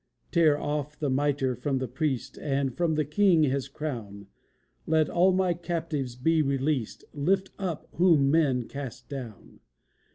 Tear off the mitre from the priest, And from the king, his crown; Let all my captives be released; Lift up, whom men cast down.